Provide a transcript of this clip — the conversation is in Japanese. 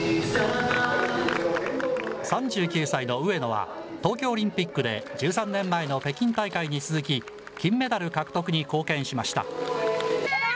３９歳の上野は、東京オリンピックで１３年前の北京大会に続き、金メダル獲得に貢献しました。